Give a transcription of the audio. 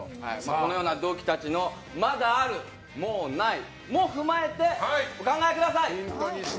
このような同期たちのまだある、もうないも踏まえてお考えください！